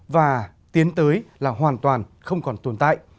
và tiến tới là hoàn toàn không còn tồn tại